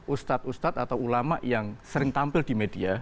ustadz ustadz atau ulama yang sering tampil di media